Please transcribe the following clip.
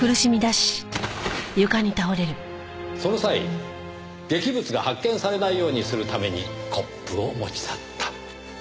その際劇物が発見されないようにするためにコップを持ち去った。